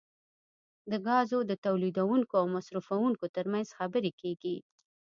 د ګازو د تولیدونکو او مصرفونکو ترمنځ خبرې کیږي